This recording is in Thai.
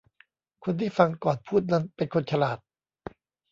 คนที่ฟังก่อนพูดนั้นเป็นคนฉลาด